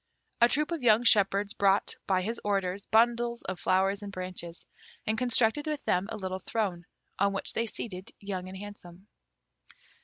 A troop of young shepherds brought, by his orders, bundles of flowers and branches, and constructed with them a little throne, on which they seated Young and Handsome.